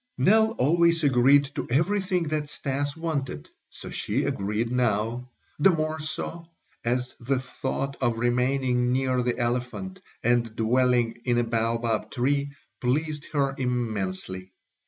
Nell always agreed to everything that Stas wanted; so she agreed now; the more so, as the thought of remaining near the elephant and dwelling in a baobab tree pleased her immensely.